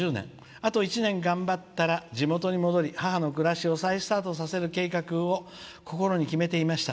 あと１年頑張ったら地元に戻り母の暮らしを再スタートさせる計画を心に決めていました。